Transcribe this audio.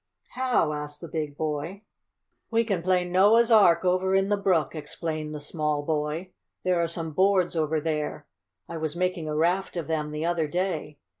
"How?" asked the big boy. "We can play Noah's Ark over in the brook," explained the small boy. "There are some boards over there. I was making a raft of them the other day.